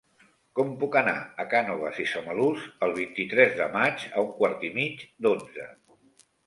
Com puc anar a Cànoves i Samalús el vint-i-tres de maig a un quart i mig d'onze?